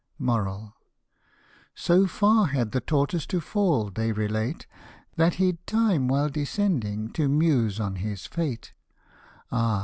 So far had the tortoise to fall, they relate, That he'd time while descending to muse on his fate, " Ah